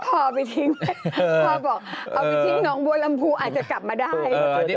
เอาไปทิ้งพ่อบอกเอาไปทิ้งน้องบัวลำพูอาจจะกลับมาได้